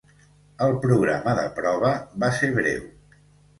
El programa de prova va ser breu.